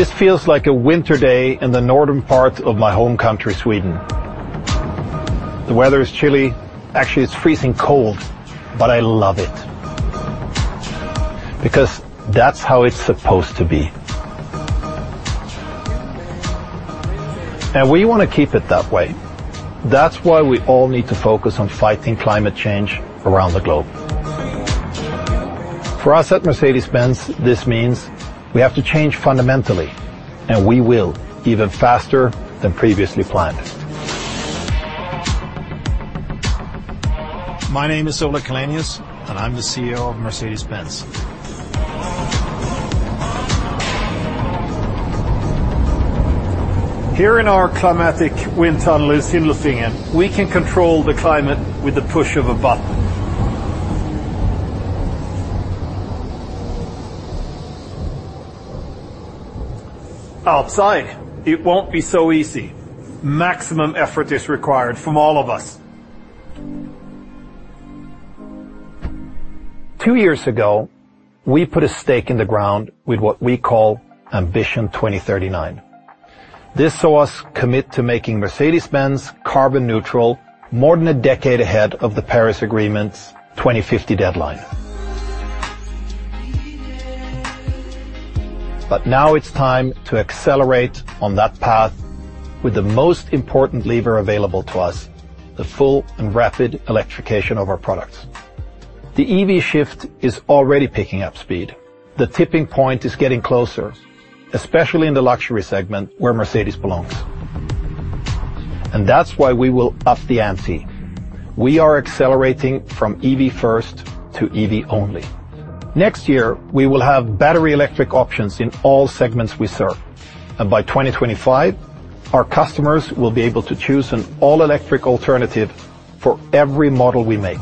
This feels like a winter day in the northern part of my home country, Sweden. The weather is chilly. Actually, it's freezing cold, but I love it. Because that's how it's supposed to be. We want to keep it that way. That's why we all need to focus on fighting climate change around the globe. For us at Mercedes-Benz, this means we have to change fundamentally, and we will, even faster than previously planned. My name is Ola Källenius, and I'm the CEO of Mercedes-Benz. Here in our climatic wind tunnel in Sindelfingen, we can control the climate with the push of a button. Outside, it won't be so easy. Maximum effort is required from all of us. Two years ago, we put a stake in the ground with what we call Ambition 2039. This saw us commit to making Mercedes-Benz carbon neutral more than a decade ahead of the Paris Agreement's 2050 deadline. Now it's time to accelerate on that path with the most important lever available to us, the full and rapid electrification of our products. The EV shift is already picking up speed. The tipping point is getting closer, especially in the luxury segment where Mercedes belongs, and that's why we will up the ante. We are accelerating from EV first to EV only. Next year, we will have battery electric options in all segments we serve, and by 2025, our customers will be able to choose an all-electric alternative for every model we make.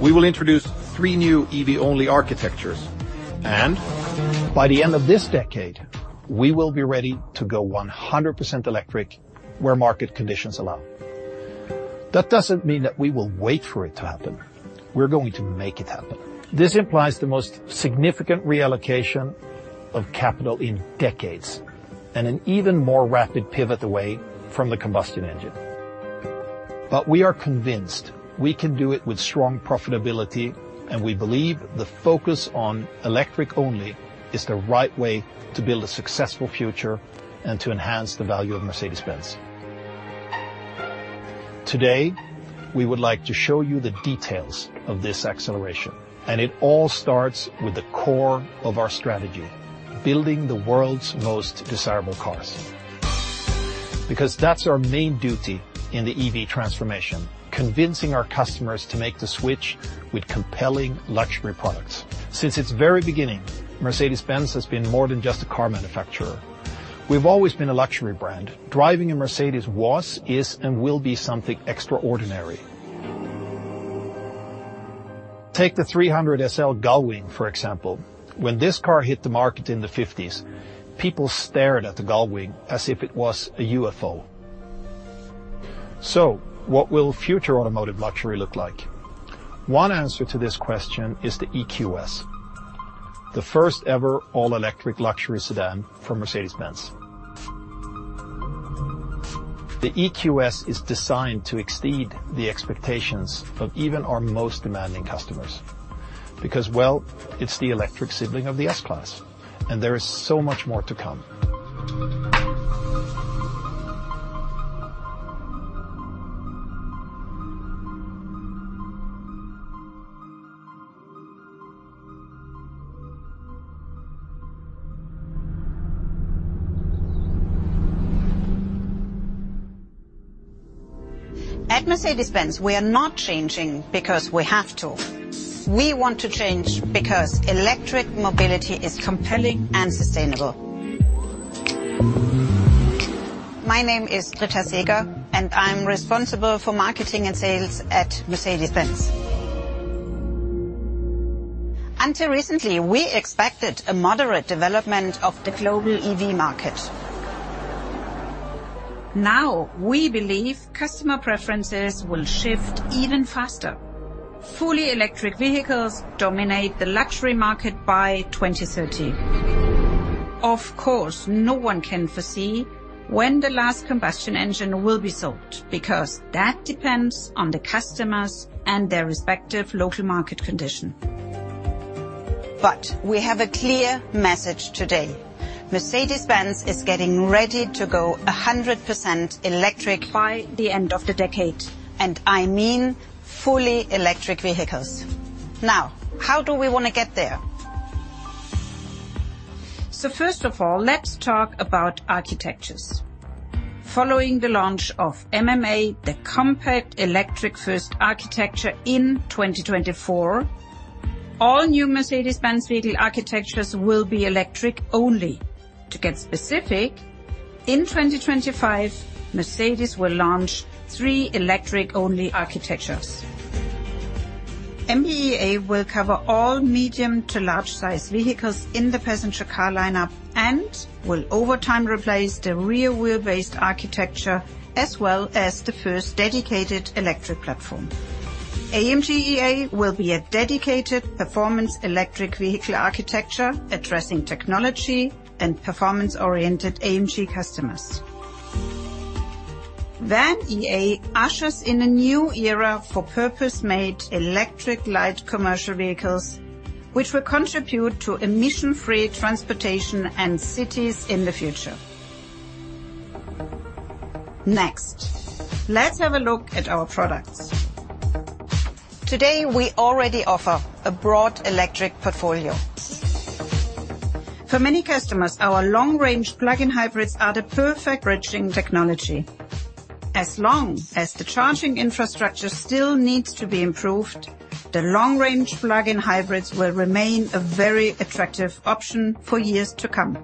We will introduce three new EV-only architectures, and by the end of this decade, we will be ready to go 100% electric where market conditions allow. That doesn't mean that we will wait for it to happen. We're going to make it happen. This implies the most significant reallocation of capital in decades and an even more rapid pivot away from the combustion engine. We are convinced we can do it with strong profitability, and we believe the focus on electric only is the right way to build a successful future and to enhance the value of Mercedes-Benz. Today, we would like to show you the details of this acceleration, and it all starts with the core of our strategy, building the world's most desirable cars. Because that's our main duty in the EV transformation, convincing our customers to make the switch with compelling luxury products. Since its very beginning, Mercedes-Benz has been more than just a car manufacturer. We've always been a luxury brand. Driving a Mercedes was, is, and will be something extraordinary. Take the 300 SL Gullwing, for example. When this car hit the market in the '50s, people stared at the Gullwing as if it was a UFO. What will future automotive luxury look like? One answer to this question is the EQS, the first-ever all-electric luxury sedan from Mercedes-Benz. The EQS is designed to exceed the expectations of even our most demanding customers. Because, well, it's the electric sibling of the S-Class, and there is so much more to come. At Mercedes-Benz, we are not changing because we have to. We want to change because electric mobility is compelling and sustainable. My name is Britta Seeger, and I'm responsible for marketing and sales at Mercedes-Benz. Until recently, we expected a moderate development of the global EV market. Now, we believe customer preferences will shift even faster. Fully electric vehicles dominate the luxury market by 2030. Of course, no one can foresee when the last combustion engine will be sold because that depends on the customers and their respective local market condition. We have a clear message today. Mercedes-Benz is getting ready to go 100% electric by the end of the decade. I mean fully electric vehicles. Now, how do we want to get there? First of all, let's talk about architectures. Following the launch of MMA, the compact Electric first Architecture in 2024, all new Mercedes-Benz vehicle architectures will be electric only. To get specific, in 2025, Mercedes will launch three electric-only architectures. MB.EA will cover all medium to large-size vehicles in the passenger car lineup and will over time replace the rear wheel-based architecture as well as the first dedicated electric platform. AMG.EA will be a dedicated performance electric vehicle architecture addressing technology and performance-oriented AMG customers. VAN.EA ushers in a new era for purpose-made electric light commercial vehicles, which will contribute to emission-free transportation and cities in the future. Let's have a look at our products. Today, we already offer a broad electric portfolio. For many customers, our long-range plug-in hybrids are the perfect bridging technology. As long as the charging infrastructure still needs to be improved, the long-range plug-in hybrids will remain a very attractive option for years to come.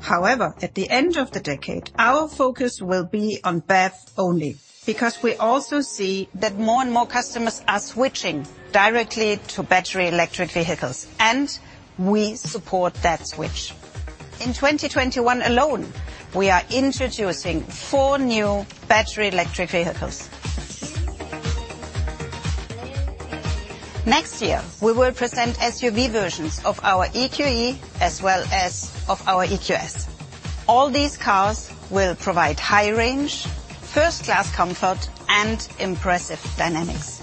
However, at the end of the decade, our focus will be on BEV only, because we also see that more and more customers are switching directly to battery electric vehicles, and we support that switch. In 2021 alone, we are introducing four new battery electric vehicles. Next year, we will present SUV versions of our EQE as well as of our EQS. All these cars will provide high range, first-class comfort, and impressive dynamics,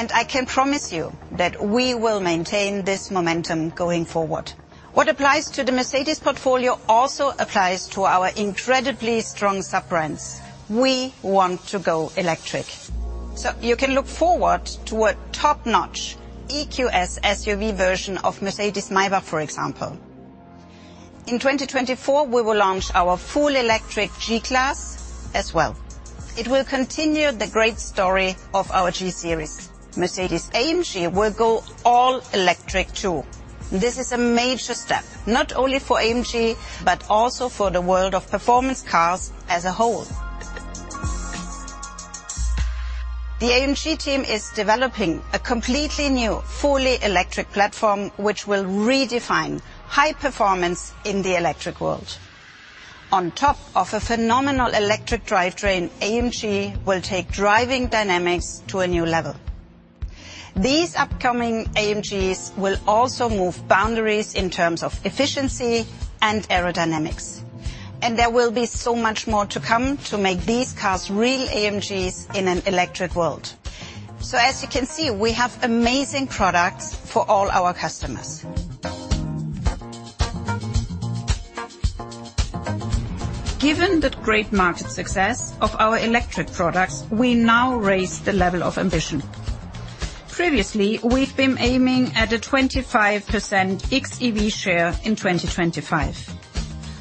and I can promise you that we will maintain this momentum going forward. What applies to the Mercedes portfolio also applies to our incredibly strong sub-brands. We want to go electric. You can look forward to a top-notch EQS SUV version of Mercedes-Maybach, for example. In 2024, we will launch our full electric G-Class as well. It will continue the great story of our G-series. Mercedes-AMG will go all electric, too. This is a major step, not only for AMG, but also for the world of performance cars as a whole. The AMG team is developing a completely new fully electric platform, which will redefine high performance in the electric world. On top of a phenomenal electric drivetrain, AMG will take driving dynamics to a new level. These upcoming AMGs will also move boundaries in terms of efficiency and aerodynamics, and there will be so much more to come to make these cars real AMGs in an electric world. As you can see, we have amazing products for all our customers. Given the great market success of our electric products, we now raise the level of ambition. Previously, we've been aiming at a 25% xEV share in 2025.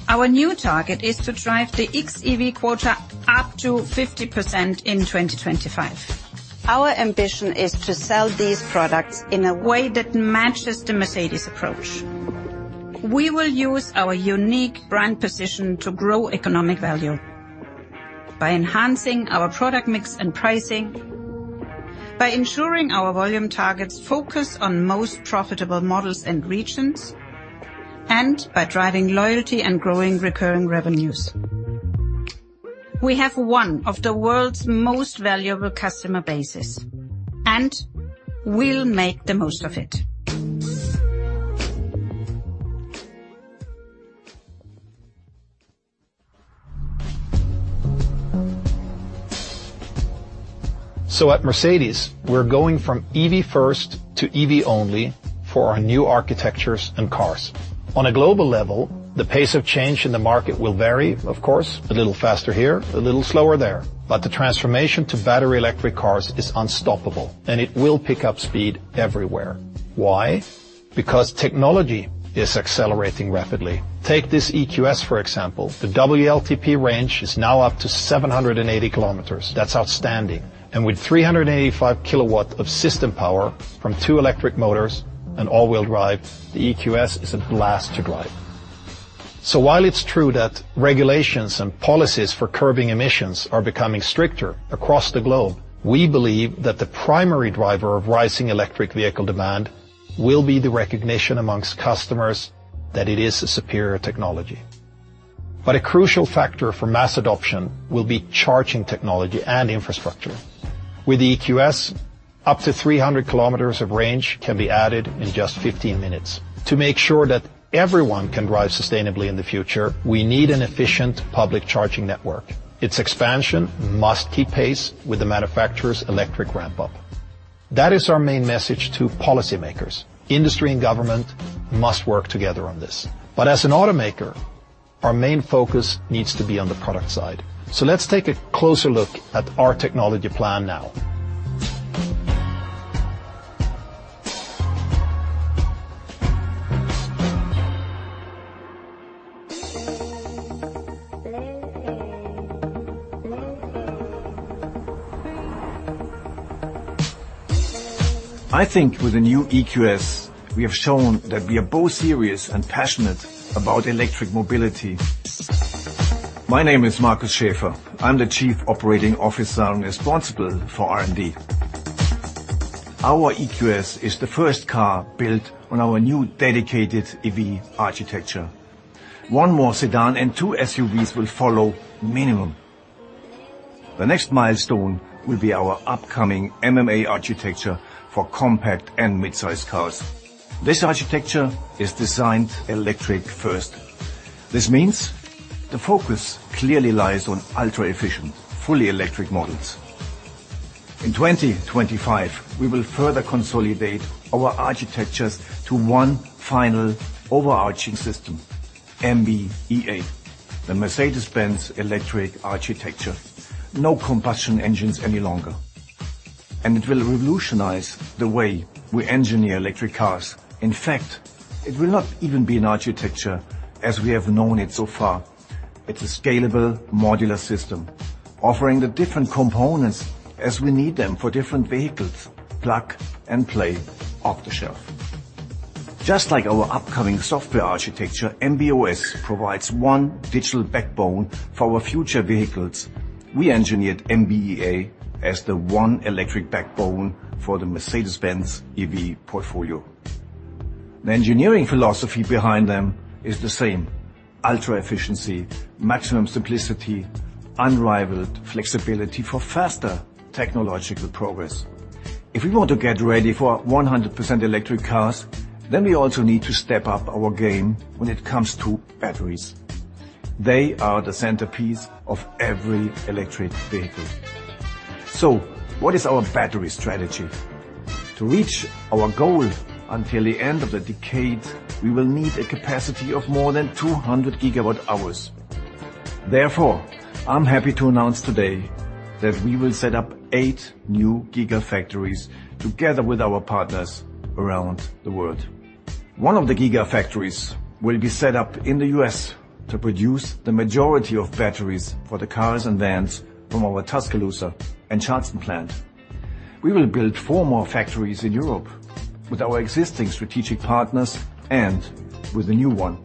Our new target is to drive the xEV quota up to 50% in 2025. Our ambition is to sell these products in a way that matches the Mercedes approach. We will use our unique brand position to grow economic value by enhancing our product mix and pricing, by ensuring our volume targets focus on most profitable models and regions, and by driving loyalty and growing recurring revenues. We have one of the world's most valuable customer bases, and we'll make the most of it. At Mercedes, we're going from EV-first to EV-only for our new architectures and cars. On a global level, the pace of change in the market will vary, of course, a little faster here, a little slower there. The transformation to battery electric cars is unstoppable, and it will pick up speed everywhere. Why? Because technology is accelerating rapidly. Take this EQS for example. The WLTP range is now up to 780 km. That's outstanding. With 385 kW of system power from two electric motors and all-wheel drive, the EQS is a blast to drive. While it's true that regulations and policies for curbing emissions are becoming stricter across the globe, we believe that the primary driver of rising electric vehicle demand will be the recognition amongst customers that it is a superior technology. A crucial factor for mass adoption will be charging technology and infrastructure. With EQS, up to 300 kms of range can be added in just 15 minutes. To make sure that everyone can drive sustainably in the future, we need an efficient public charging network. Its expansion must keep pace with the manufacturer's electric ramp-up. That is our main message to policymakers. Industry and government must work together on this. As an automaker, our main focus needs to be on the product side. Let's take a closer look at our technology plan now. I think with the new EQS, we have shown that we are both serious and passionate about electric mobility. My name is Markus Schäfer. I'm the Chief Operating Officer and responsible for R&D. Our EQS is the first car built on our new dedicated EV architecture. One more sedan and two SUVs will follow, minimum. The next milestone will be our upcoming MMA architecture for compact and mid-size cars. This architecture is designed electric first. This means the focus clearly lies on ultra-efficient, fully electric models. In 2025, we will further consolidate our architectures to one final overarching system, MB.EA, the Mercedes-Benz Electric Architecture. No combustion engines any longer. It will revolutionize the way we engineer electric cars. In fact, it will not even be an architecture as we have known it so far. It's a scalable modular system offering the different components as we need them for different vehicles. Plug and play off the shelf. Just like our upcoming software architecture, MB.OS provides one digital backbone for our future vehicles. We engineered MB.EA as the one electric backbone for the Mercedes-Benz EV portfolio. The engineering philosophy behind them is the same: ultra-efficiency, maximum simplicity, unrivaled flexibility for faster technological progress. If we want to get ready for 100% electric cars, we also need to step up our game when it comes to batteries. They are the centerpiece of every electric vehicle. What is our battery strategy? To reach our goal until the end of the decade, we will need a capacity of more than 200 GWh. I'm happy to announce today that we will set up eight new gigafactories together with our partners around the world. One of the gigafactories will be set up in the U.S. to produce the majority of batteries for the cars and vans from our Tuscaloosa and Charleston plant. We will build four more factories in Europe with our existing strategic partners and with a new one.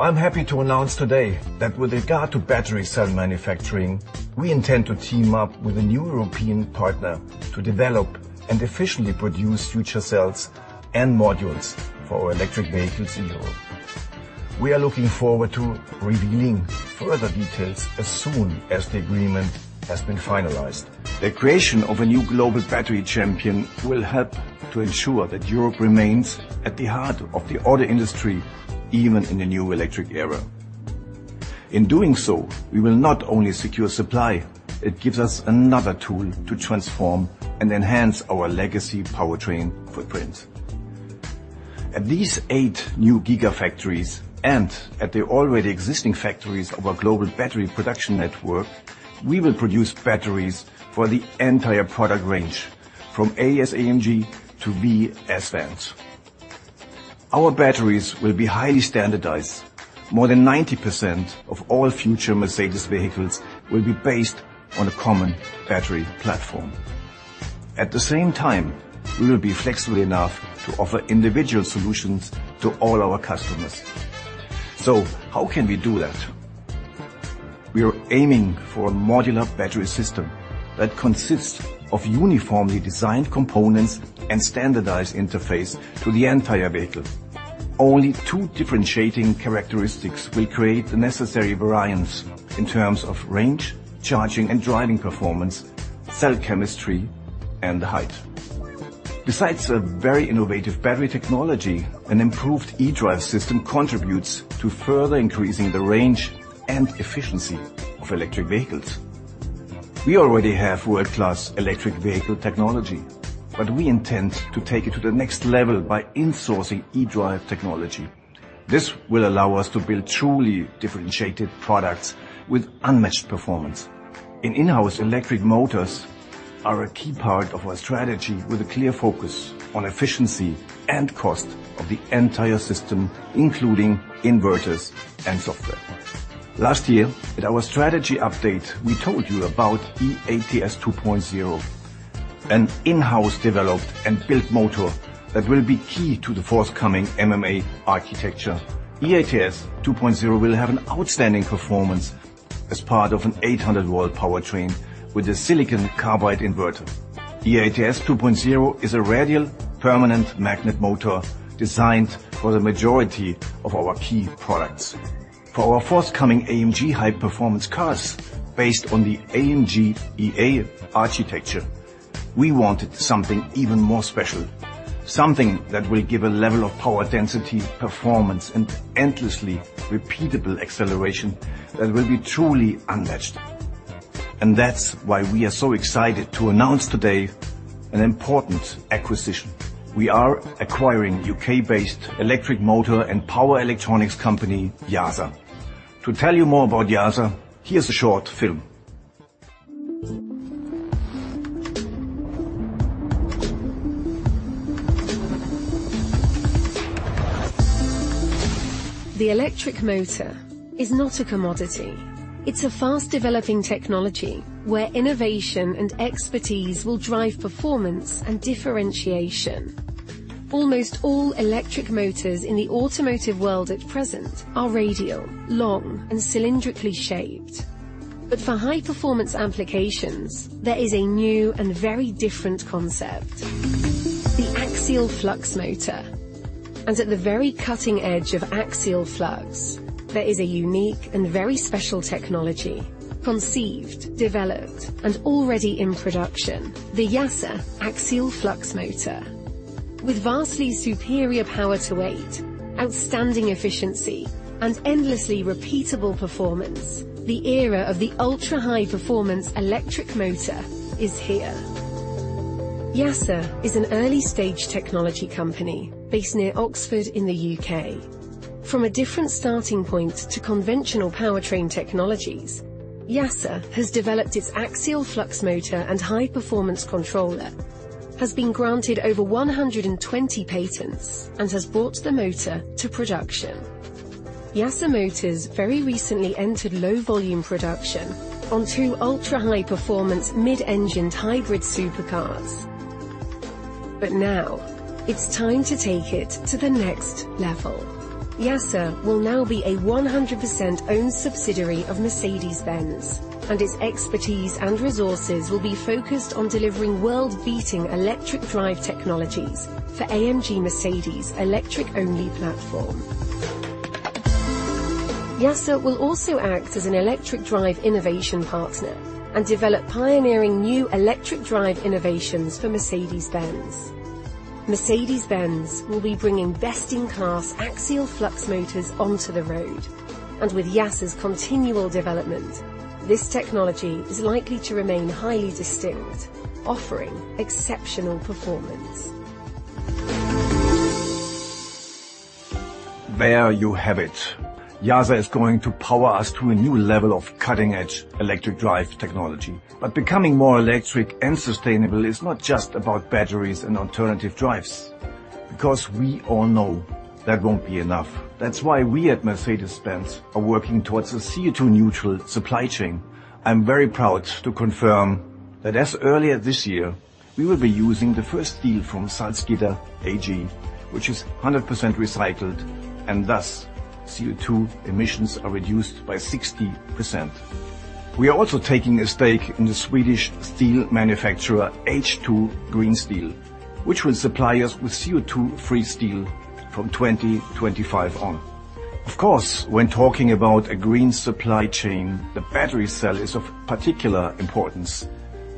I'm happy to announce today that with regard to battery cell manufacturing, we intend to team up with a new European partner to develop and efficiently produce future cells and modules for our electric vehicles in Europe. We are looking forward to revealing further details as soon as the agreement has been finalized. The creation of a new global battery champion will help to ensure that Europe remains at the heart of the auto industry, even in the new electric era. In doing so, we will not only secure supply, it gives us another tool to transform and enhance our legacy powertrain footprint. At these eight new gigafactories and at the already existing factories of our global battery production network, we will produce batteries for the entire product range from A as AMG to V as vans. Our batteries will be highly standardized. More than 90% of all future Mercedes vehicles will be based on a common battery platform. At the same time, we will be flexible enough to offer individual solutions to all our customers. How can we do that? We are aiming for a modular battery system that consists of uniformly designed components and standardized interface to the entire vehicle. Only two differentiating characteristics will create the necessary variance in terms of range, charging and driving performance, cell chemistry, and height. Besides a very innovative battery technology, an improved e-drive system contributes to further increasing the range and efficiency of electric vehicles. We already have world-class electric vehicle technology, but we intend to take it to the next level by insourcing eDrive technology. This will allow us to build truly differentiated products with unmatched performance. In-house electric motors are a key part of our strategy with a clear focus on efficiency and cost of the entire system, including inverters and software. Last year, at our strategy update, we told you about eATS 2.0, an in-house developed and built motor that will be key to the forthcoming MMA architecture. eATS 2.0 will have an outstanding performance as part of an 800-volt powertrain with a silicon carbide inverter. eATS 2.0 is a radial permanent magnet motor designed for the majority of our key products. For our forthcoming AMG high-performance cars based on the AMG.EA architecture, we wanted something even more special, something that will give a level of power, density, performance, and endlessly repeatable acceleration that will be truly unmatched. That's why we are so excited to announce today an important acquisition. We are acquiring U.K.-based electric motor and power electronics company, YASA. To tell you more about YASA, here's a short film. The electric motor is not a commodity. It's a fast-developing technology where innovation and expertise will drive performance and differentiation. Almost all electric motors in the automotive world at present are radial, long, and cylindrically shaped. For high-performance applications, there is a new and very different concept. The axial flux motor. At the very cutting edge of axial flux, there is a unique and very special technology. Conceived, developed, and already in production, the YASA axial flux motor. With vastly superior power to weight, outstanding efficiency, and endlessly repeatable performance, the era of the ultra-high-performance electric motor is here. YASA is an early-stage technology company based near Oxford in the U.K. From a different starting point to conventional powertrain technologies, YASA has developed its axial flux motor and high-performance controller, has been granted over 120 patents, and has brought the motor to production. YASA very recently entered low-volume production on 2 ultra-high-performance, mid-engined hybrid supercars. Now it's time to take it to the next level. YASA will now be a 100% owned subsidiary of Mercedes-Benz, and its expertise and resources will be focused on delivering world-beating electric drive technologies for AMG Mercedes' electric-only platform. YASA will also act as an electric drive innovation partner and develop pioneering new electric drive innovations for Mercedes-Benz. Mercedes-Benz will be bringing best-in-class axial flux motors onto the road. With YASA's continual development, this technology is likely to remain highly distinct, offering exceptional performance. There you have it. YASA is going to power us to a new level of cutting-edge electric drive technology. But becoming more electric and sustainable is not just about batteries and alternative drives, because we all know that won't be enough. That's why we at Mercedes-Benz are working towards a CO2-neutral supply chain. I'm very proud to confirm that as earlier this year, we will be using the first steel from Salzgitter AG, which is 100% recycled, and thus CO2 emissions are reduced by 60%. We are also taking a stake in the Swedish steel manufacturer H2 Green Steel, which will supply us with CO2-free steel from 2025 on. Of course, when talking about a green supply chain, the battery cell is of particular importance.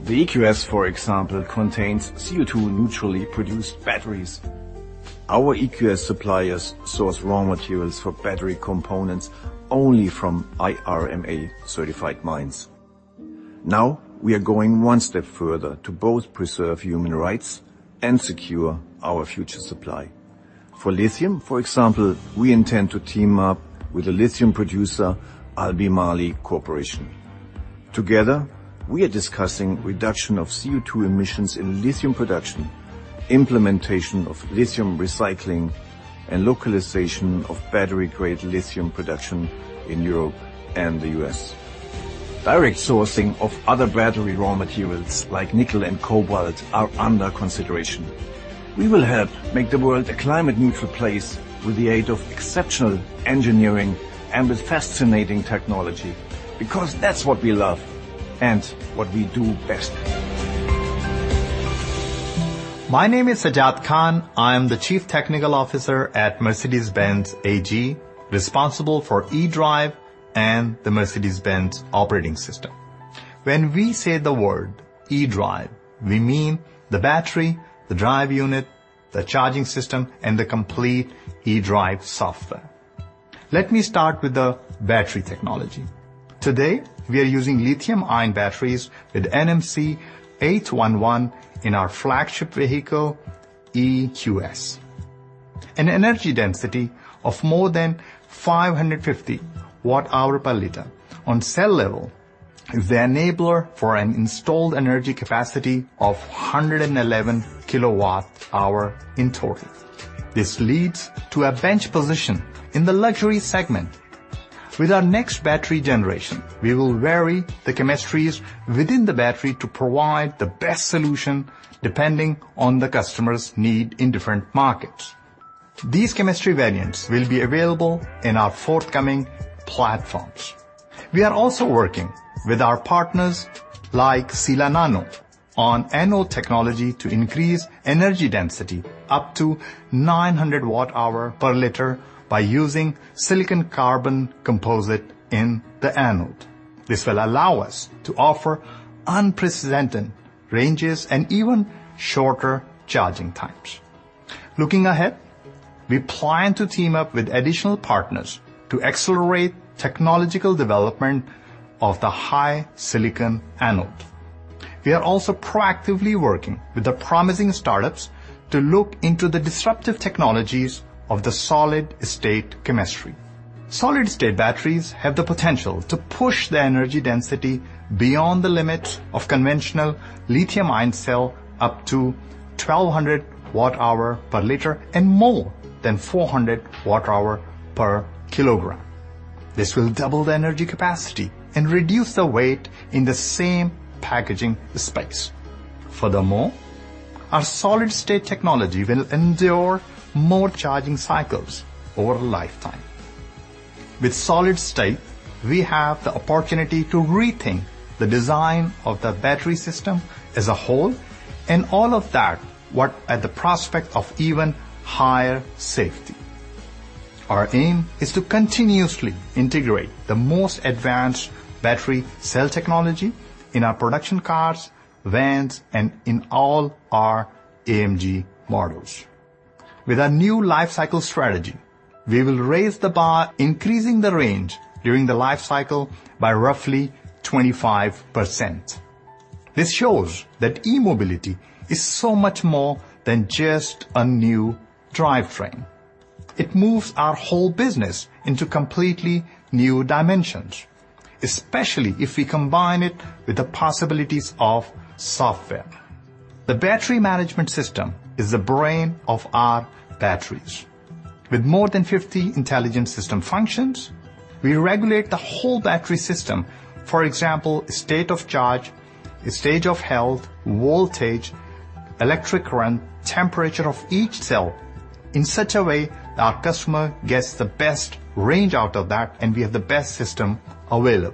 The EQS, for example, contains CO2-neutrally-produced batteries. Our EQS suppliers source raw materials for battery components only from IRMA-certified mines. Now we are going one step further to both preserve human rights and secure our future supply. For lithium, for example, we intend to team up with a lithium producer, Albemarle Corporation. Together, we are discussing reduction of CO2 emissions in lithium production, implementation of lithium recycling, and localization of battery-grade lithium production in Europe and the U.S. Direct sourcing of other battery raw materials like nickel and cobalt are under consideration. We will help make the world a climate-neutral place with the aid of exceptional engineering and with fascinating technology, because that's what we love and what we do best. My name is Sajjad Khan. I am the Chief Technical Officer at Mercedes-Benz AG, responsible for eDrive and the Mercedes-Benz operating system. When we say the word eDrive, we mean the battery, the drive unit, the charging system, and the complete eDrive software. Let me start with the battery technology. Today we are using lithium-ion batteries with NMC811 in our flagship vehicle, EQS. An energy density of more than 550 Wh/litre on cell level is the enabler for an installed energy capacity of 111 kWh in total. This leads to a bench position in the luxury segment. With our next battery generation, we will vary the chemistries within the battery to provide the best solution depending on the customer's need in different markets. These chemistry variants will be available in our forthcoming platforms. We are also working with our partners like Sila Nanotechnologies on anode technology to increase energy density up to 900 WH/litre by using silicon-carbon composite in the anode. This will allow us to offer unprecedented ranges and even shorter charging times. Looking ahead, we plan to team up with additional partners to accelerate technological development of the high silicon anode. We are also proactively working with the promising startups to look into the disruptive technologies of the solid-state chemistry. Solid-state batteries have the potential to push the energy density beyond the limit of conventional lithium-ion cell up to 1,200 Wh/liter and more than 400 Wh/kg. This will double the energy capacity and reduce the weight in the same packaging space. Furthermore, our solid-state technology will endure more charging cycles over a lifetime. With solid-state, we have the opportunity to rethink the design of the battery system as a whole, and all of that, what at the prospect of even higher safety. Our aim is to continuously integrate the most advanced battery cell technology in our production cars, vans, and in all our AMG models. With our new life cycle strategy, we will raise the bar, increasing the range during the life cycle by roughly 25%. This shows that e-mobility is so much more than just a new drivetrain. It moves our whole business into completely new dimensions, especially if we combine it with the possibilities of software. The battery management system is the brain of our batteries. With more than 50 intelligent system functions, we regulate the whole battery system. For example, state of charge, state of health, voltage, electric current, temperature of each cell, in such a way that our customer gets the best range out of that, and we have the best system available. Our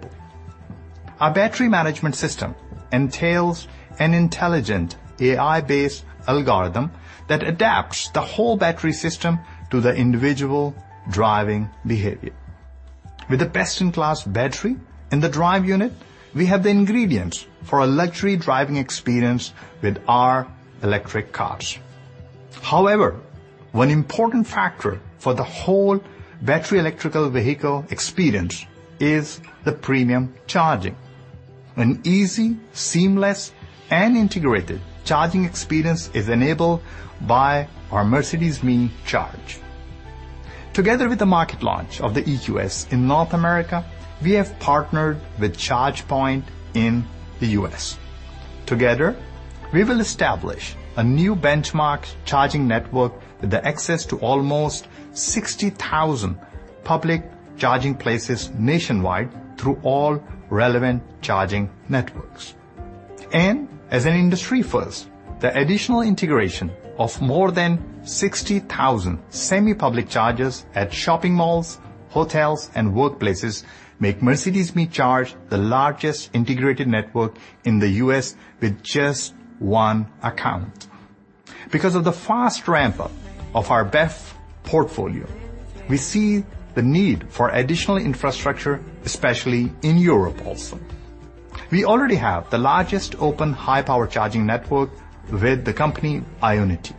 battery management system entails an intelligent AI-based algorithm that adapts the whole battery system to the individual driving behavior. With a best-in-class battery in the drive unit, we have the ingredients for a luxury driving experience with our electric cars. However, one important factor for the whole battery electrical vehicle experience is the premium charging. An easy, seamless, and integrated charging experience is enabled by our Mercedes me Charge. Together with the market launch of the EQS in North America, we have partnered with ChargePoint in the U.S. Together, we will establish a new benchmark charging network with the access to almost 60,000 public charging places nationwide through all relevant charging networks. As an industry first, the additional integration of more than 60,000 semi-public chargers at shopping malls, hotels, and workplaces make Mercedes me Charge the largest integrated network in the U.S. with just one account. Because of the fast ramp-up of our BEV portfolio, we see the need for additional infrastructure, especially in Europe also. We already have the largest open high-power charging network with the company IONITY.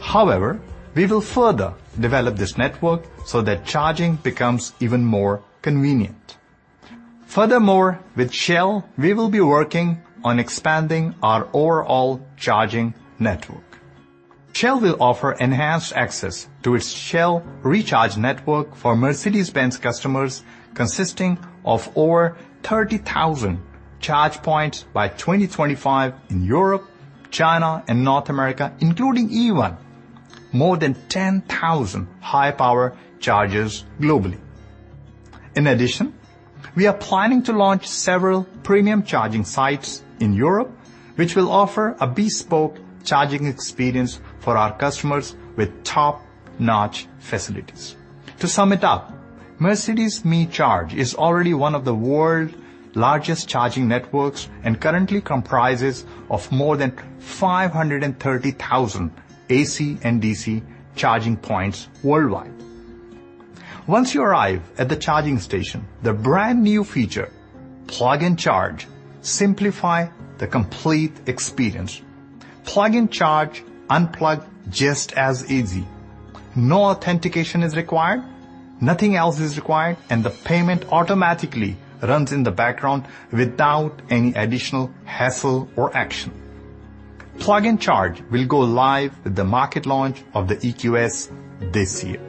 However, we will further develop this network so that charging becomes even more convenient. Furthermore, with Shell, we will be working on expanding our overall charging network. Shell will offer enhanced access to its Shell Recharge network for Mercedes-Benz customers, consisting of over 30,000 charge points by 2025 in Europe, China, and North America, including even more than 10,000 high-power chargers globally. In addition, we are planning to launch several premium charging sites in Europe, which will offer a bespoke charging experience for our customers with top-notch facilities. To sum it up, Mercedes me Charge is already one of the world largest charging networks and currently comprises of more than 530,000 AC and DC charging points worldwide. Once you arrive at the charging station, the brand-new feature, Plug & Charge, simplify the complete experience. Plug & Charge, unplug just as easy. No authentication is required, nothing else is required, and the payment automatically runs in the background without any additional hassle or action. Plug & Charge will go live with the market launch of the EQS this year.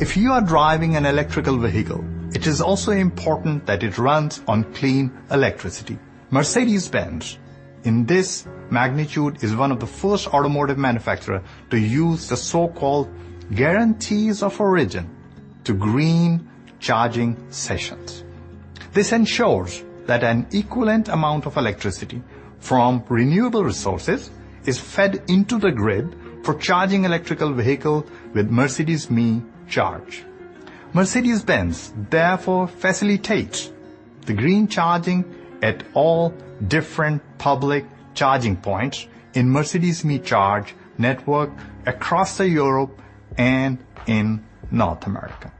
If you are driving an electrical vehicle, it is also important that it runs on clean electricity. Mercedes-Benz, in this magnitude, is one of the first automotive manufacturer to use the so-called guarantees of origin to green charging sessions. This ensures that an equivalent amount of electricity from renewable resources is fed into the grid for charging electrical vehicle with Mercedes me Charge. Mercedes-Benz therefore facilitates the green charging at all different public charging points in Mercedes me Charge network across the Europe and in North America.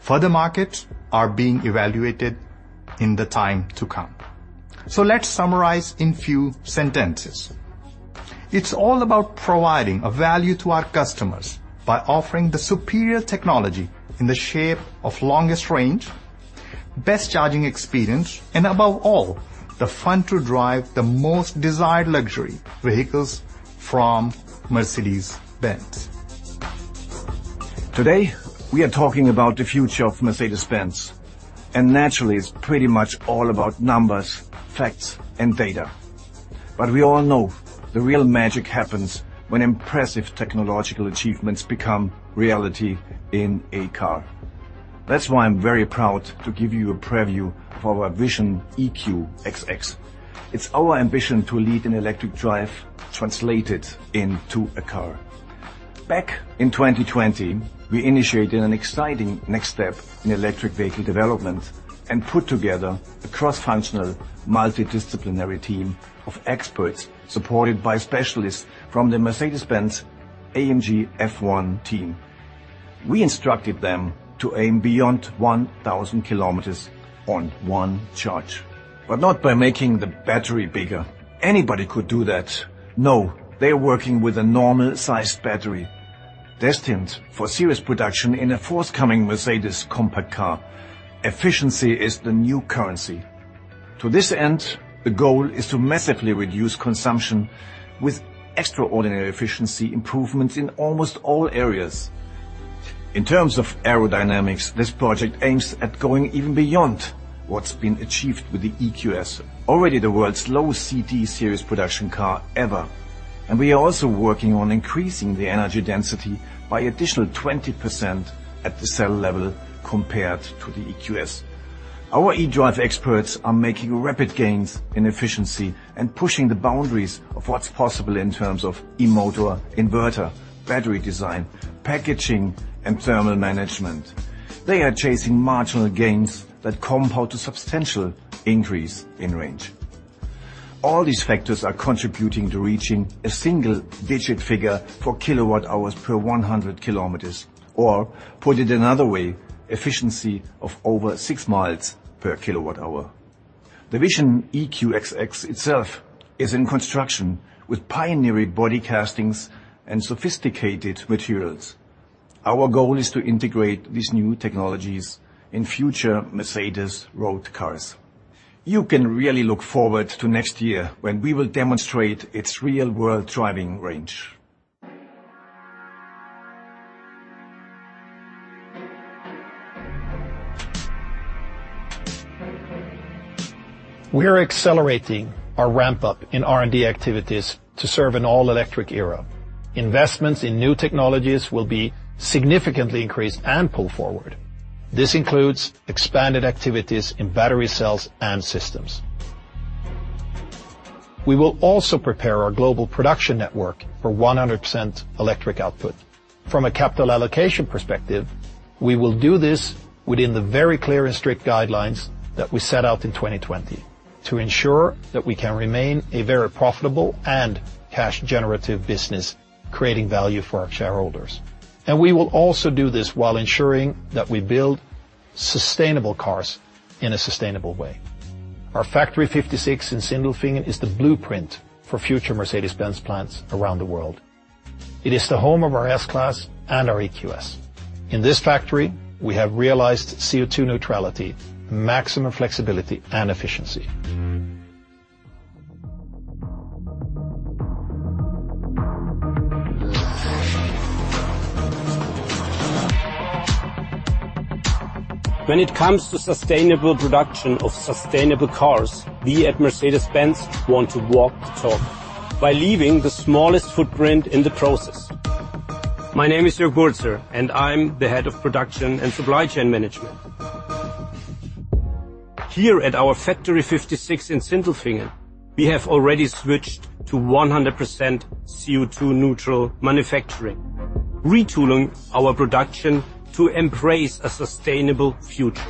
Further markets are being evaluated in the time to come. Let's summarize in few sentences. It's all about providing a value to our customers by offering the superior technology in the shape of longest rangebest charging experience, and above all, the fun to drive the most desired luxury vehicles from Mercedes-Benz. Today, we are talking about the future of Mercedes-Benz, naturally, it's pretty much all about numbers, facts, and data. We all know the real magic happens when impressive technological achievements become reality in a car. That's why I'm very proud to give you a preview of our VISION EQXX. It's our ambition to lead an electric drive translated into a car. Back in 2020, we initiated an exciting next step in electric vehicle development and put together a cross-functional, multidisciplinary team of experts supported by specialists from the Mercedes-Benz AMG F1 team. We instructed them to aim beyond 1,000 km on one charge. Not by making the battery bigger. Anybody could do that. No, they are working with a normal-sized battery destined for serious production in a forthcoming Mercedes compact car. Efficiency is the new currency. To this end, the goal is to massively reduce consumption with extraordinary efficiency improvements in almost all areas. In terms of aerodynamics, this project aims at going even beyond what's been achieved with the EQS. Already the world's lowest CD series production car ever. We are also working on increasing the energy density by additional 20% at the cell level compared to the EQS. Our eDrive experts are making rapid gains in efficiency and pushing the boundaries of what's possible in terms of e-motor inverter, battery design, packaging, and thermal management. They are chasing marginal gains that compound to substantial increase in range. All these factors are contributing to reaching a single-digit figure for kWh per 100 kms. Put it another way, efficiency of over 6 miles per kWh. The VISION EQXX itself is in construction with pioneering body castings and sophisticated materials. Our goal is to integrate these new technologies in future Mercedes road cars. You can really look forward to next year when we will demonstrate its real-world driving range. We are accelerating our ramp-up in R&D activities to serve an all-electric era. Investments in new technologies will be significantly increased and pulled forward. This includes expanded activities in battery cells and systems. We will also prepare our global production network for 100% electric output. From a capital allocation perspective, we will do this within the very clear and strict guidelines that we set out in 2020 to ensure that we can remain a very profitable and cash-generative business, creating value for our shareholders. We will also do this while ensuring that we build sustainable cars in a sustainable way. Our Factory 56 in Sindelfingen is the blueprint for future Mercedes-Benz plants around the world. It is the home of our S-Class and our EQS. In this factory, we have realized CO2 neutrality, maximum flexibility, and efficiency. When it comes to sustainable production of sustainable cars, we at Mercedes-Benz want to walk the talk by leaving the smallest footprint in the process. My name is Jörg Burzer. I'm the Head of Production and Supply Chain Management. Here at our Factory 56 in Sindelfingen, we have already switched to 100% CO2-neutral manufacturing, retooling our production to embrace a sustainable future.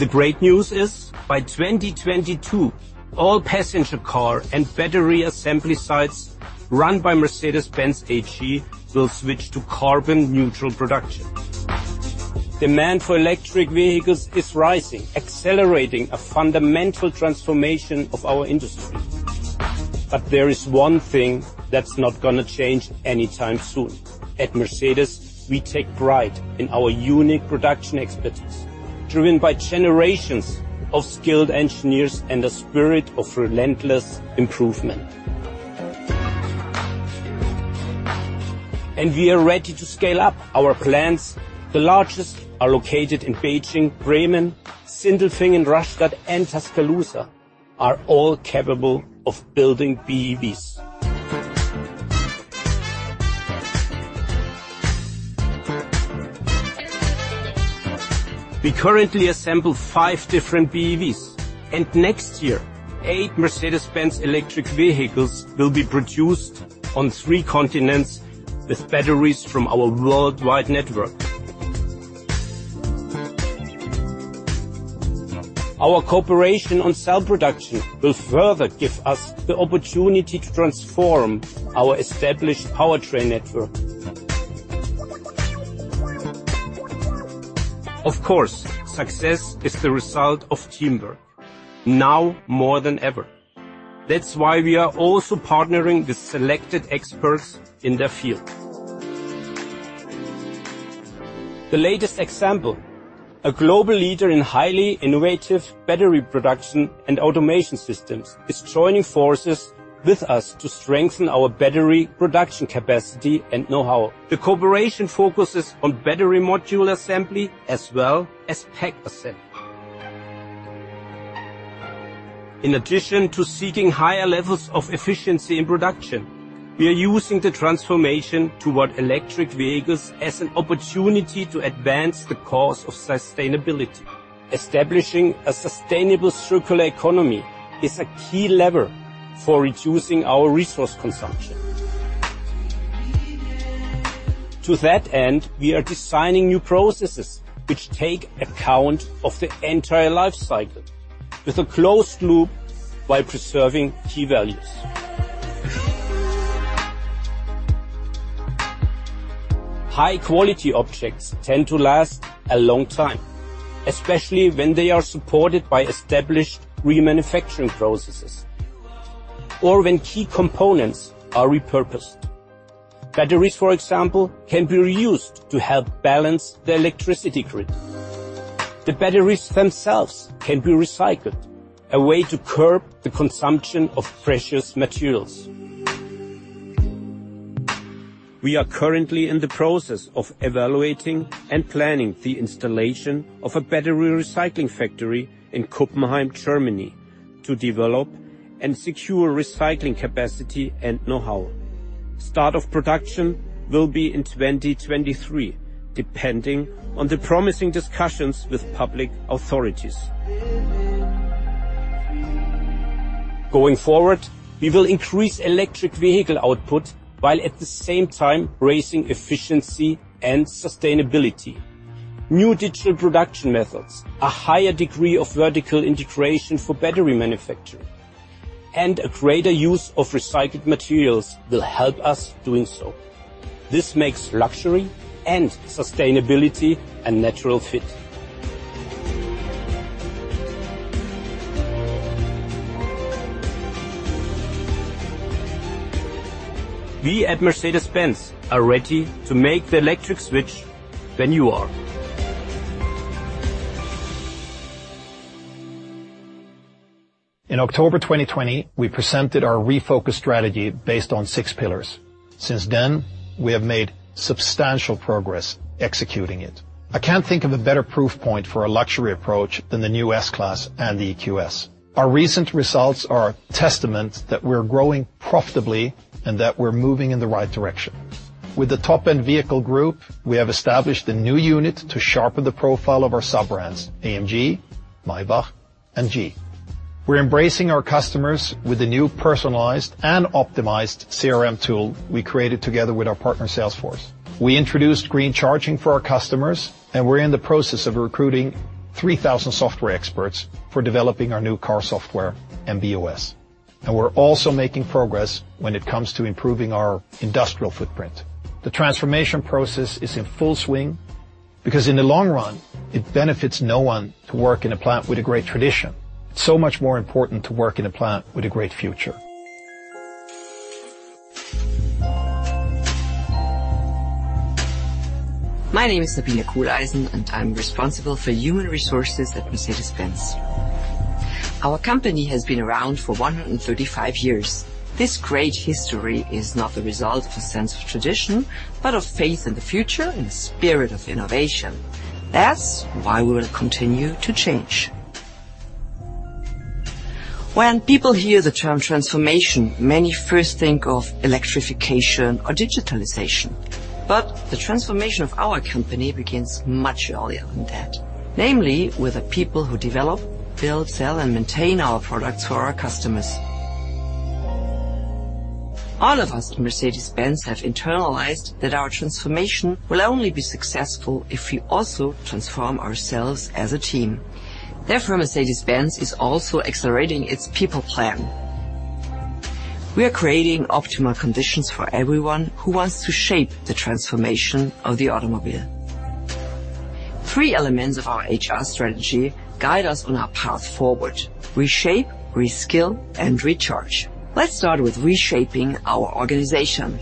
The great news is, by 2022, all passenger car and battery assembly sites run by Mercedes-Benz AG will switch to carbon-neutral production. Demand for electric vehicles is rising, accelerating a fundamental transformation of our industry. There is one thing that's not gonna change anytime soon. At Mercedes, we take pride in our unique production expertise, driven by generations of skilled engineers and a spirit of relentless improvement. We are ready to scale up our plans. The largest are located in Beijing. Bremen, Sindelfingen, Rastatt, and Tuscaloosa are all capable of building BEVs. We currently assemble five different BEVs, and next year, eight Mercedes-Benz electric vehicles will be produced on three continents with batteries from our worldwide network. Our cooperation on cell production will further give us the opportunity to transform our established powertrain network. Of course, success is the result of teamwork. Now more than ever. That's why we are also partnering with selected experts in their field. The latest example, a global leader in highly innovative battery production and automation systems is joining forces with us to strengthen our battery production capacity and know-how. The cooperation focuses on battery module assembly as well as pack assembly. In addition to seeking higher levels of efficiency in production, we are using the transformation toward electric vehicles as an opportunity to advance the cause of sustainability. Establishing a sustainable circular economy is a key lever for reducing our resource consumption. To that end, we are designing new processes which take account of the entire life cycle with a closed loop while preserving key values. High-quality objects tend to last a long time, especially when they are supported by established remanufacturing processes or when key components are repurposed. Batteries, for example, can be reused to help balance the electricity grid. The batteries themselves can be recycled, a way to curb the consumption of precious materials. We are currently in the process of evaluating and planning the installation of a battery recycling factory in Kuppenheim, Germany, to develop and secure recycling capacity and know-how. Start of production will be in 2023, depending on the promising discussions with public authorities. Going forward, we will increase electric vehicle output while at the same time raising efficiency and sustainability. New digital production methods, a higher degree of vertical integration for battery manufacturing, and a greater use of recycled materials will help us doing so. This makes luxury and sustainability a natural fit. We at Mercedes-Benz are ready to make the electric switch when you are. In October 2020, we presented our refocused strategy based on six pillars. Since then, we have made substantial progress executing it. I can't think of a better proof point for a luxury approach than the new S-Class and the EQS. Our recent results are a testament that we're growing profitably and that we're moving in the right direction. With the Top-End Vehicle Group, we have established a new unit to sharpen the profile of our sub-brands, AMG, Maybach, and G. We're embracing our customers with a new personalized and optimized CRM tool we created together with our partner, Salesforce. We introduced green charging for our customers. We're in the process of recruiting 3,000 software experts for developing our new car software, MB.OS. We're also making progress when it comes to improving our industrial footprint. The transformation process is in full swing because in the long run, it benefits no one to work in a plant with a great tradition. It's so much more important to work in a plant with a great future. My name is Sabine Kohleisen, and I'm responsible for human resources at Mercedes-Benz. Our company has been around for 135 years. This great history is not the result of a sense of tradition, but of faith in the future and a spirit of innovation. That's why we will continue to change. When people hear the term transformation, many first think of electrification or digitalization. The transformation of our company begins much earlier than that. Namely, with the people who develop, build, sell, and maintain our products for our customers. All of us at Mercedes-Benz have internalized that our transformation will only be successful if we also transform ourselves as a team. Therefore, Mercedes-Benz is also accelerating its people plan. We are creating optimal conditions for everyone who wants to shape the transformation of the automobile. Three elements of our HR strategy guide us on our path forward: reshape, reskill, and recharge. Let's start with reshaping our organization.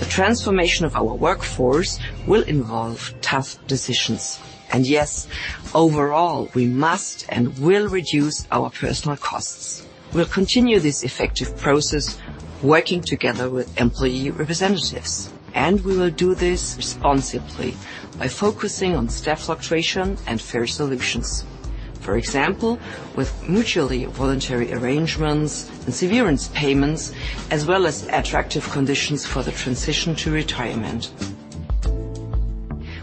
The transformation of our workforce will involve tough decisions. Yes, overall, we must and will reduce our personal costs. We'll continue this effective process working together with employee representatives, and we will do this responsibly by focusing on staff fluctuation and fair solutions. For example, with mutually voluntary arrangements and severance payments, as well as attractive conditions for the transition to retirement.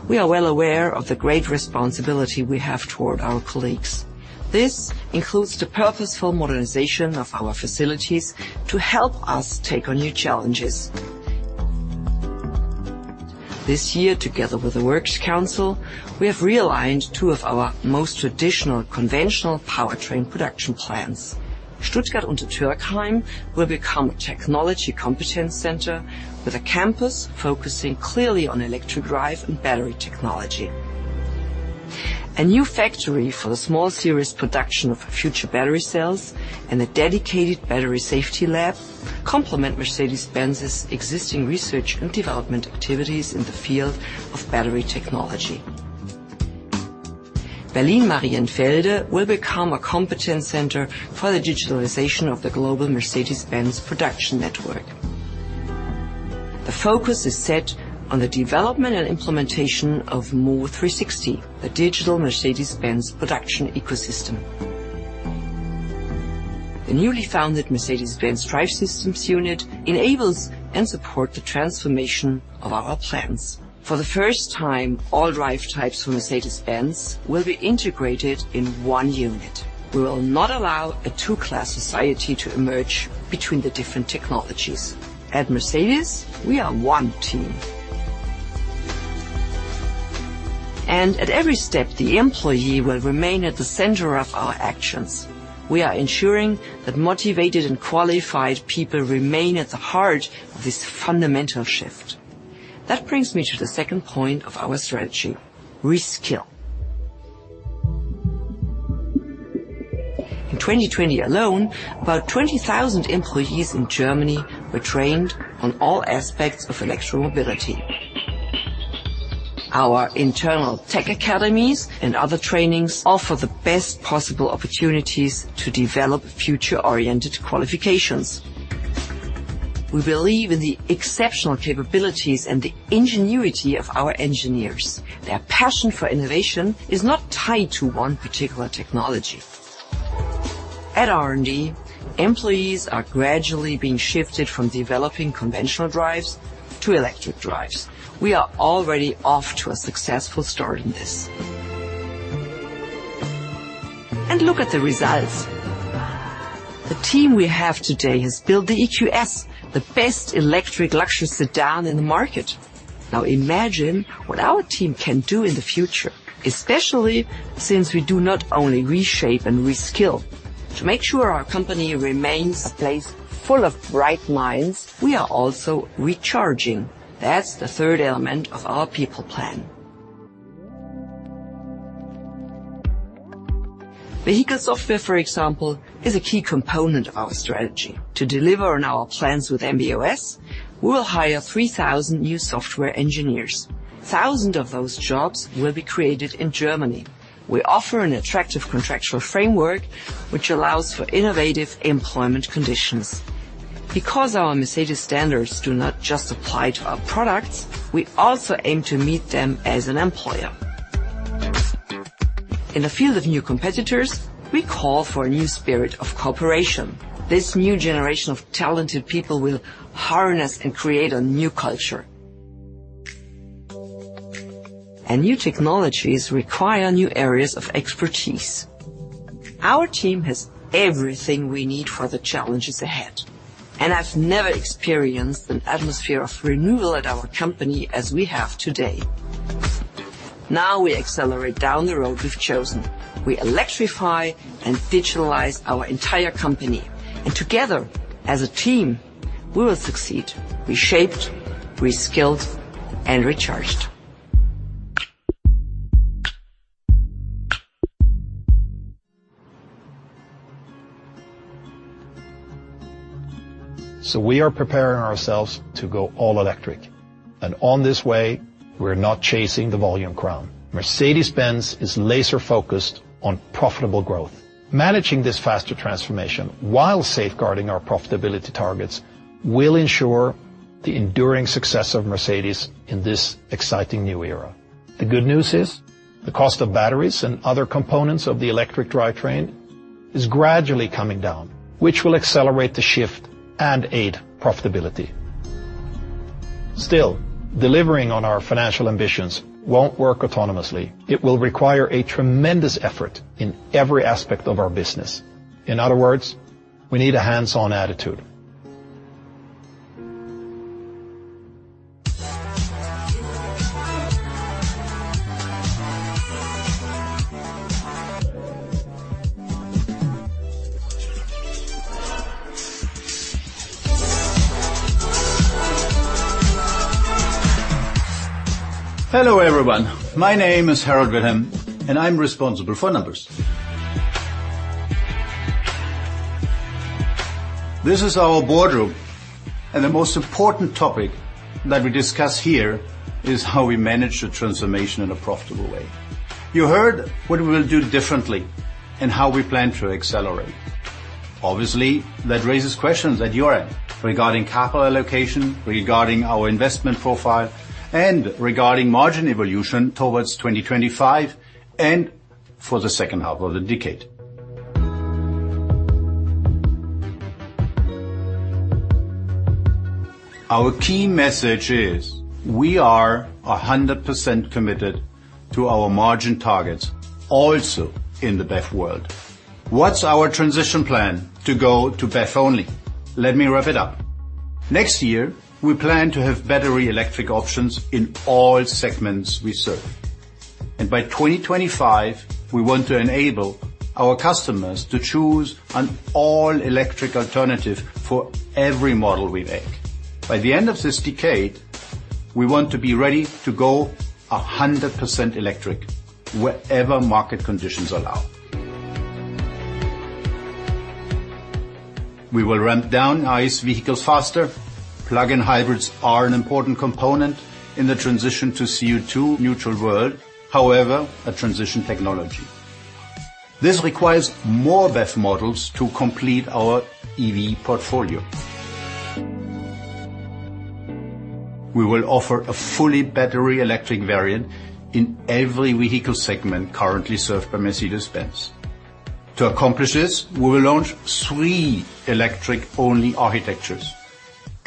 We are well aware of the great responsibility we have toward our colleagues. This includes the purposeful modernization of our facilities to help us take on new challenges. This year, together with the Works Council, we have realigned two of our most traditional conventional powertrain production plants. Stuttgart-Untertürkheim will become a technology competence center with a campus focusing clearly on electric drive and battery technology. A new factory for the small series production of future battery cells and a dedicated battery safety lab complement Mercedes-Benz's existing research and development activities in the field of battery technology. Berlin-Marienfelde will become a competence center for the digitalization of the global Mercedes-Benz production network. The focus is set on the development and implementation of MO360, the digital Mercedes-Benz production ecosystem. The newly founded Mercedes-Benz Drive Systems unit enables and support the transformation of our plans. For the first time, all drive types for Mercedes-Benz will be integrated in one unit. We will not allow a two-class society to emerge between the different technologies. At Mercedes, we are one team. At every step, the employee will remain at the center of our actions. We are ensuring that motivated and qualified people remain at the heart of this fundamental shift. That brings me to the second point of our strategy, reskill. In 2020 alone, about 20,000 employees in Germany were trained on all aspects of electro-mobility. Our internal tech academies and other trainings offer the best possible opportunities to develop future-oriented qualifications. We believe in the exceptional capabilities and the ingenuity of our engineers. Their passion for innovation is not tied to one particular technology. At R&D, employees are gradually being shifted from developing conventional drives to electric drives. We are already off to a successful start in this. Look at the results. The team we have today has built the EQS, the best electric luxury sedan in the market. Now imagine what our team can do in the future, especially since we do not only reshape and reskill. To make sure our company remains a place full of bright minds, we are also recharging. That's the third element of our people plan. Vehicle software, for example, is a key component of our strategy. To deliver on our plans with MB.OS, we will hire 3,000 new software engineers. 1,000 of those jobs will be created in Germany. We offer an attractive contractual framework which allows for innovative employment conditions. Our Mercedes standards do not just apply to our products, we also aim to meet them as an employer. In the field of new competitors, we call for a new spirit of cooperation. This new generation of talented people will harness and create a new culture. New technologies require new areas of expertise. Our team has everything we need for the challenges ahead, and I've never experienced an atmosphere of renewal at our company as we have today. We accelerate down the road we've chosen. We electrify and digitalize our entire company, and together as a team, we will succeed, reshaped, reskilled, and recharged. We are preparing ourselves to go all electric. On this way, we're not chasing the volume crown. Mercedes-Benz is laser-focused on profitable growth. Managing this faster transformation while safeguarding our profitability targets will ensure the enduring success of Mercedes in this exciting new era. The good news is the cost of batteries and other components of the electric drivetrain is gradually coming down, which will accelerate the shift and aid profitability. Delivering on our financial ambitions won't work autonomously. It will require a tremendous effort in every aspect of our business. In other words, we need a hands-on attitude. Hello, everyone. My name is Harald Wilhelm. I'm responsible for numbers. This is our boardroom. The most important topic that we discuss here is how we manage the transformation in a profitable way. You heard what we will do differently and how we plan to accelerate. Obviously, that raises questions at your end regarding capital allocation, regarding our investment profile, and regarding margin evolution towards 2025 and for the second half of the decade. Our key message is we are 100% committed to our margin targets also in the BEV world. What's our transition plan to go to BEV only? Let me wrap it up. Next year, we plan to have battery electric options in all segments we serve, and by 2025, we want to enable our customers to choose an all-electric alternative for every model we make. By the end of this decade We want to be ready to go 100% electric wherever market conditions allow. We will ramp down ICE vehicles faster. Plug-in hybrids are an important component in the transition to a CO₂-neutral world, however, a transition technology. This requires more BEV models to complete our EV portfolio. We will offer a fully battery electric variant in every vehicle segment currently served by Mercedes-Benz. To accomplish this, we will launch three electric-only architectures: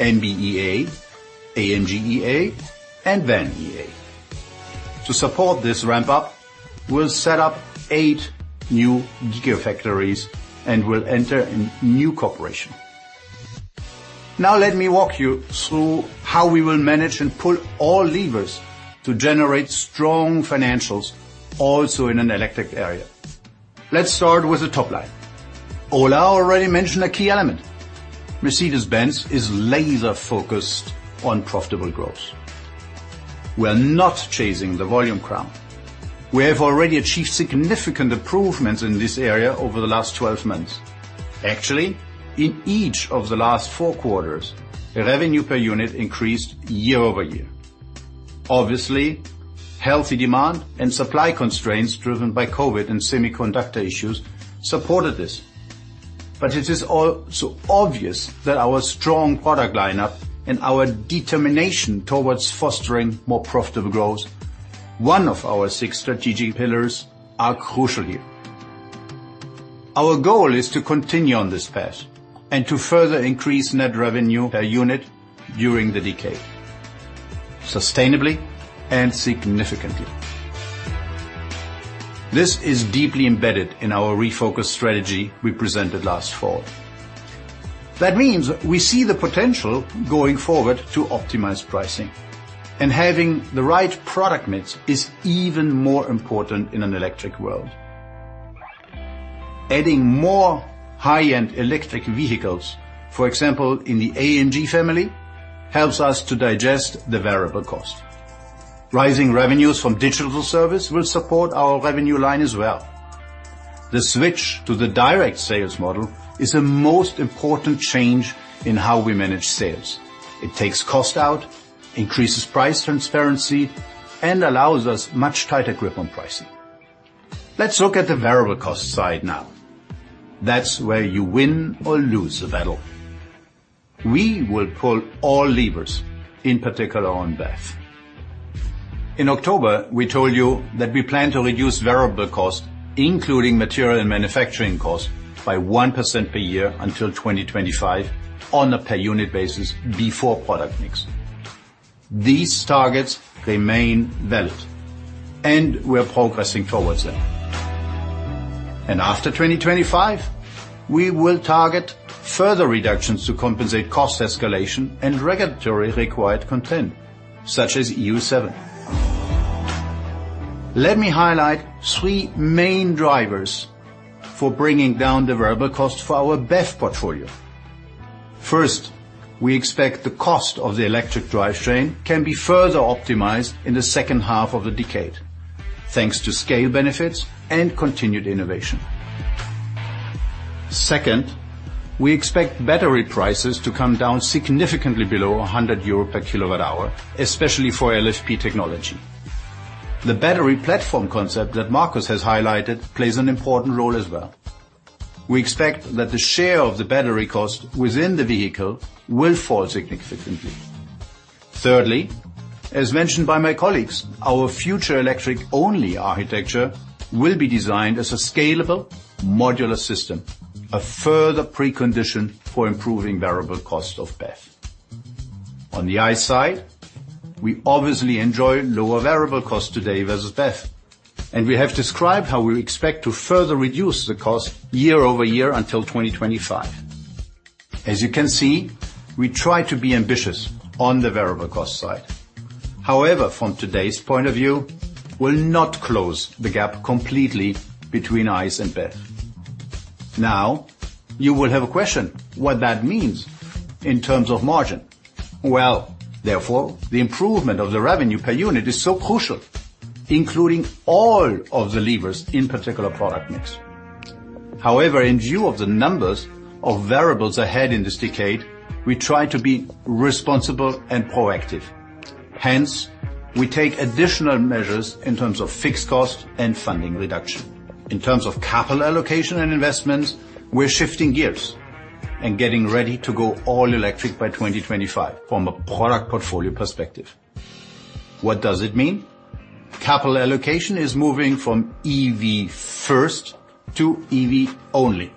MB.EA, AMG.EA, and VAN.EA. To support this ramp-up, we'll set up eight new gigafactories and will enter a new cooperation. Now let me walk you through how we will manage and pull all levers to generate strong financials also in an electric era. Let's start with the top line. Ola already mentioned a key element. Mercedes-Benz is laser-focused on profitable growth. We're not chasing the volume crown. We have already achieved significant improvements in this area over the last 12 months. Actually, in each of the last four quarters, the revenue per unit increased year-over-year. Obviously, healthy demand and supply constraints driven by COVID and semiconductor issues supported this. It is also obvious that our strong product lineup and our determination towards fostering more profitable growth, one of our six strategic pillars, are crucial here. Our goal is to continue on this path and to further increase net revenue per unit during the decade sustainably and significantly. This is deeply embedded in our refocused strategy we presented last fall. We see the potential going forward to optimize pricing, and having the right product mix is even more important in an electric world. Adding more high-end electric vehicles, for example, in the AMG family, helps us to digest the variable cost. Rising revenues from digital service will support our revenue line as well. The switch to the direct sales model is a most important change in how we manage sales. It takes cost out, increases price transparency, and allows us a much tighter grip on pricing. Let's look at the variable cost side now. That's where you win or lose the battle. We will pull all levers, in particular on BEV. In October, we told you that we plan to reduce variable cost, including material and manufacturing cost, by 1% per year until 2025 on a per-unit basis before product mix. These targets remain valid, and we're progressing towards them. After 2025, we will target further reductions to compensate cost escalation and regulatory-required content, such as 7. Let me highlight three main drivers for bringing down the variable cost for our BEV portfolio. First, we expect the cost of the electric drivetrain can be further optimized in the second half of the decade thanks to scale benefits and continued innovation. Second, we expect battery prices to come down significantly below 100 euro kWh, especially for LFP technology. The battery platform concept that Markus has highlighted plays an important role as well. We expect that the share of the battery cost within the vehicle will fall significantly. Thirdly, as mentioned by my colleagues, our future electric-only architecture will be designed as a scalable modular system, a further precondition for improving variable cost of BEV. On the ICE side, we obviously enjoy lower variable cost today versus BEV, and we have described how we expect to further reduce the cost year-over-year until 2025. As you can see, we try to be ambitious on the variable cost side. However, from today's point of view, we'll not close the gap completely between ICE and BEV. Now, you will have a question what that means in terms of margin. Well, therefore, the improvement of the revenue per unit is so crucial, including all of the levers, in particular product mix. However, in view of the numbers of variables ahead in this decade, we try to be responsible and proactive. Hence, we take additional measures in terms of fixed cost and funding reduction. In terms of capital allocation and investments, we're shifting gears and getting ready to go all electric by 2025 from a product portfolio perspective. What does it mean? Capital allocation is moving from EV-first to EV-only.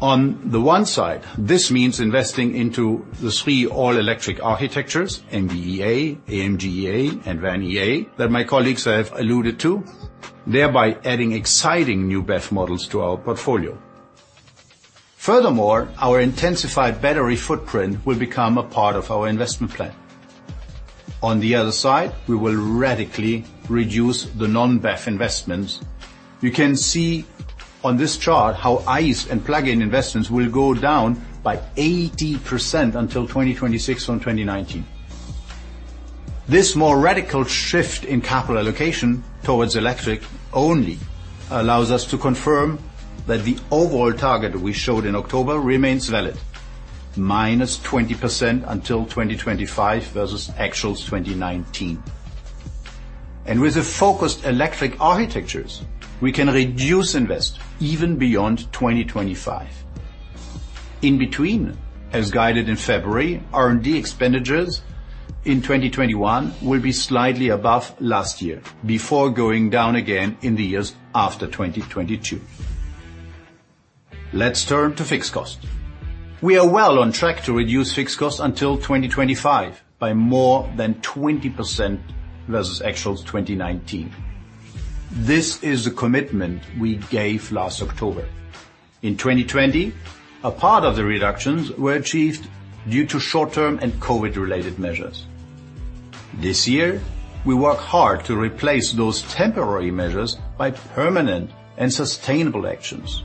On the one side, this means investing into the three all-electric architectures, MB.EA, AMG.EA, and VAN.EA, that my colleagues have alluded to, thereby adding exciting new BEV models to our portfolio. Furthermore, our intensified battery footprint will become a part of our investment plan. On the other side, we will radically reduce the non-BEV investments. You can see on this chart how ICE and plug-in investments will go down by 80% until 2026 from 2019. This more radical shift in capital allocation towards electric only allows us to confirm that the overall target we showed in October remains valid, minus 20% until 2025 versus actual 2019. With the focused electric architectures, we can reduce investment even beyond 2025. In between, as guided in February, R&D expenditures in 2021 will be slightly above last year before going down again in the years after 2022. Let's turn to fixed costs. We are well on track to reduce fixed costs until 2025 by more than 20% versus actual 2019. This is the commitment we gave last October. In 2020, a part of the reductions were achieved due to short-term and COVID-related measures. This year, we work hard to replace those temporary measures by permanent and sustainable actions.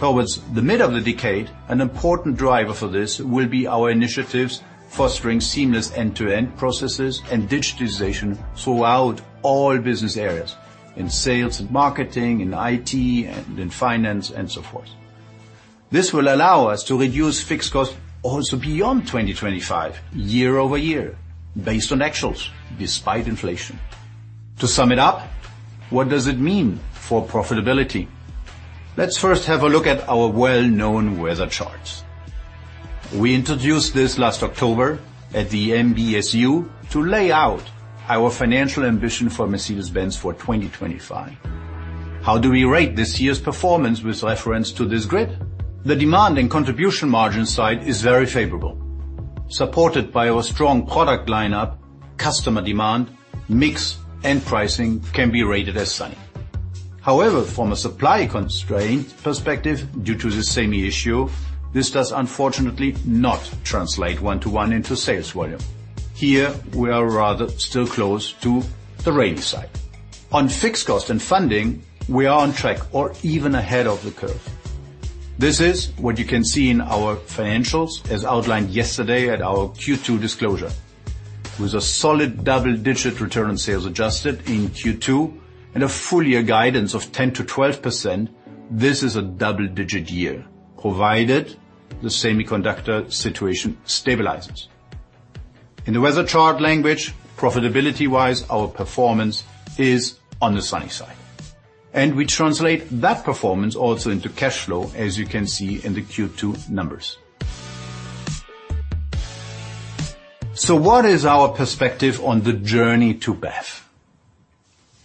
Towards the mid of the decade, an important driver for this will be our initiatives fostering seamless end-to-end processes and digitization throughout all business areas, in sales and marketing, in IT, and in finance, and so forth. This will allow us to reduce fixed costs also beyond 2025 year-over-year based on actuals despite inflation. To sum it up, what does it mean for profitability? Let's first have a look at our well-known weather charts. We introduced this last October at the MBSU to lay out our financial ambition for Mercedes-Benz for 2025. How do we rate this year's performance with reference to this grid? The demand and contribution margin side is very favorable. Supported by our strong product lineup, customer demand, mix, and pricing can be rated as sunny. However, from a supply constraint perspective, due to the same issue, this does unfortunately not translate one-to-one into sales volume. Here, we are rather still close to the rainy side. On fixed cost and funding, we are on track or even ahead of the curve. This is what you can see in our financials as outlined yesterday at our Q2 disclosure. With a solid double-digit return on sales adjusted in Q2 and a full-year guidance of 10%-12%, this is a double-digit year, provided the semiconductor situation stabilizes. In the weather chart language, profitability-wise, our performance is on the sunny side. We translate that performance also into cash flow, as you can see in the Q2 numbers. What is our perspective on the journey to BEV?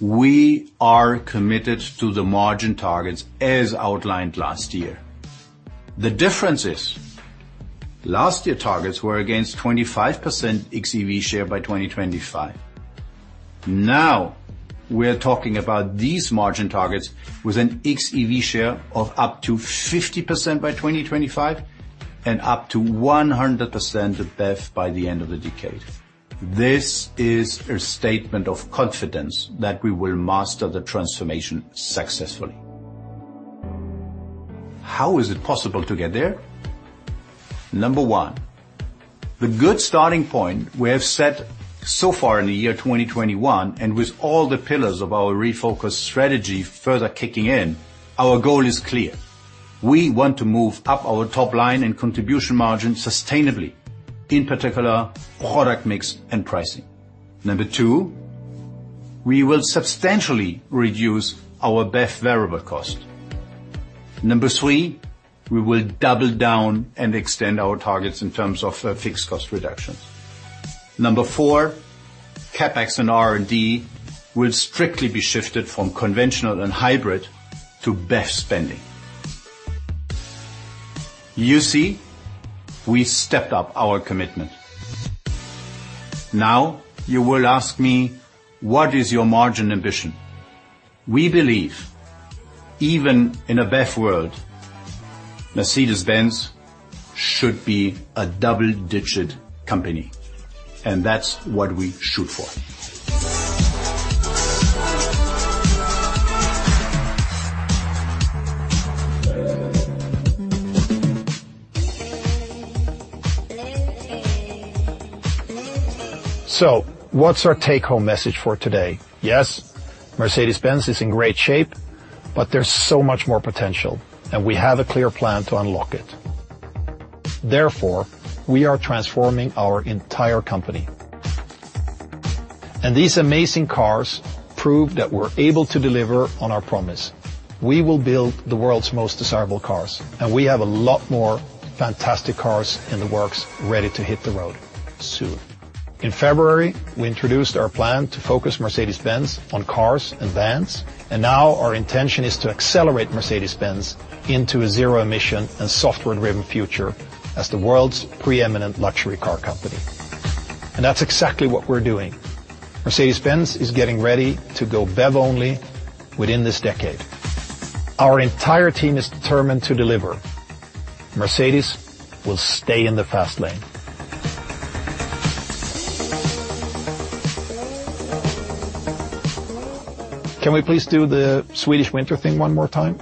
We are committed to the margin targets as outlined last year. The difference is last year targets were against 25% xEV share by 2025. Now we're talking about these margin targets with an xEV share of up to 50% by 2025 and up to 100% of BEV by the end of the decade. This is a statement of confidence that we will master the transformation successfully. How is it possible to get there? Number one, the good starting point we have set so far in the year 2021, and with all the pillars of our refocused strategy further kicking in, our goal is clear. We want to move up our top line and contribution margin sustainably. In particular, product mix and pricing. Number one, we will substantially reduce our BEV variable cost. Number three, we will double down and extend our targets in terms of fixed cost reductions. Number four, CapEx and R&D will strictly be shifted from conventional and hybrid to BEV spending. You see, we stepped up our commitment. You will ask me, what is your margin ambition? We believe even in a BEV world, Mercedes-Benz should be a double-digit company, and that's what we shoot for. What's our take-home message for today? Yes, Mercedes-Benz is in great shape, but there's so much more potential, and we have a clear plan to unlock it. Therefore, we are transforming our entire company. These amazing cars prove that we're able to deliver on our promise. We will build the world's most desirable cars, and we have a lot more fantastic cars in the works ready to hit the road soon. In February, we introduced our plan to focus Mercedes-Benz on cars and vans, now our intention is to accelerate Mercedes-Benz into a zero-emission and software-driven future as the world's preeminent luxury car company. That's exactly what we're doing. Mercedes-Benz is getting ready to go BEV-only within this decade. Our entire team is determined to deliver. Mercedes will stay in the fast lane. Can we please do the Swedish winter thing one more time?